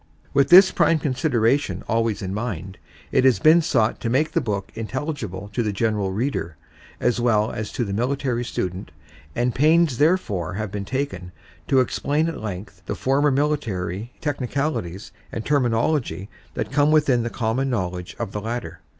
With this prime consideration always in mind, it has been sought to make the book intelligible to the general reader as well as to the military student and pains therefore have been taken to explain at length for the former military technicalities and terminology that come within the common knowledge of the latter.